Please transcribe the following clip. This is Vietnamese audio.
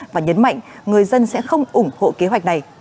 và nhấn mạnh người dân sẽ không ủng hộ kế hoạch này